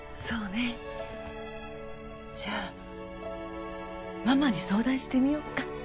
そうねじゃあママに相談してみよっか？